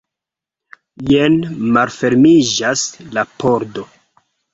Jen malfermiĝas la pordo.